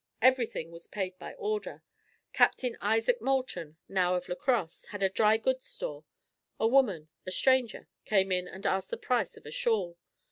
Everything was paid by order. Captain Isaac Moulton, now of La Crosse, had a dry goods store. A woman, a stranger, came in and asked the price of a shawl.